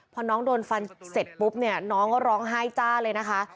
พอน้องโดนฟันเสร็จปุ๊บเนี่ยน้องก็ร้องไห้จ้าเลยนะคะ